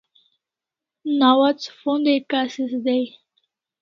Nawats phonday kasis day